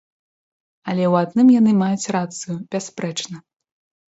Але ў адным яны маюць рацыю бясспрэчна.